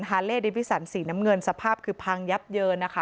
เล่ดิบิสันสีน้ำเงินสภาพคือพังยับเยินนะคะ